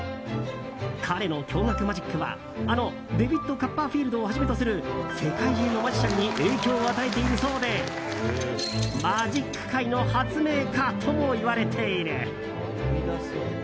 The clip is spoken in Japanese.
彼の驚愕マジックは、あのデビッド・カッパーフィールドをはじめとする世界中のマジシャンに影響を与えているそうでマジック界の発明家ともいわれている。